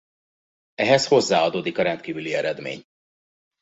Ehhez hozzá adódik a rendkívüli eredmény.